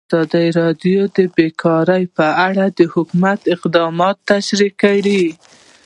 ازادي راډیو د بیکاري په اړه د حکومت اقدامات تشریح کړي.